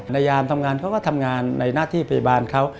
ยามทำงานเขาก็ทำงานในหน้าที่พยาบาลเขา